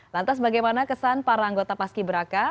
lantas bagaimana kesan para anggota paski beraka